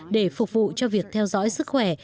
để phục vụ cho việc theo dõi sức khỏe